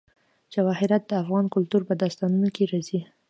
جواهرات د افغان کلتور په داستانونو کې راځي.